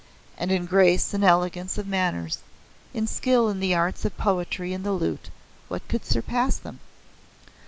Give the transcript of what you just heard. And in grace and elegance of manners, in skill in the arts of poetry and the lute, what could surpass them?